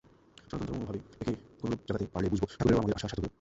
সনাতন ধর্মভাবে একে কোনরূপ জাগাতে পারলে বুঝব, ঠাকুরের ও আমাদের আসা সার্থক হল।